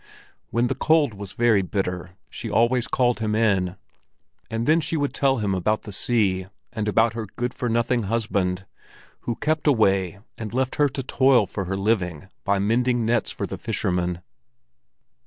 When the cold was very bitter, she always called him in; and then she would tell him about the sea and about her good for nothing husband, who kept away and left her to toil for her living by mending nets for the fishermen.